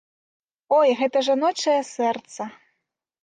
Ой, гэта жаночае сэрца!